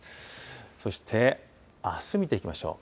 そしてあす見ていきましょう。